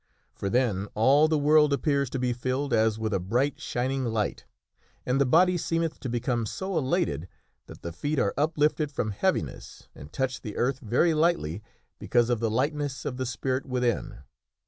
For then all the world appears to be filled as with a bright shining light, and the body seemeth to become so elated that the feet are uplifted from heaviness and touch the earth very lightly because of the lightness of the spirit within.